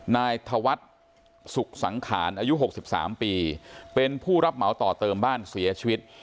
นายธวัฒน์สุขสังขารอายุ๖๓ปีเป็นผู้รับเหมาต่อเติมบ้านเสียชีวิต